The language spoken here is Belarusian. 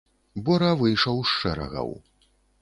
Бора выйшаў з шэрагаў.